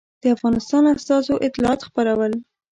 د افغانستان استازو اطلاعات خپرول.